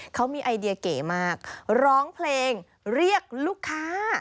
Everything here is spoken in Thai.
เขามีไอเดียเก๋มากร้องเพลงเรียกลูกค้า